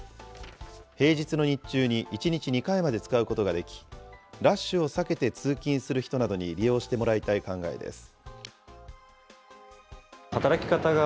平日の日中に１日２回まで使うことができ、ラッシュを避けて通勤する人などに利用してもらいたい考えです。